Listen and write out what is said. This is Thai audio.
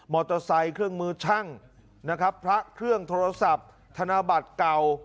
เตอร์ไซค์เครื่องมือช่างนะครับพระเครื่องโทรศัพท์ธนบัตรเก่า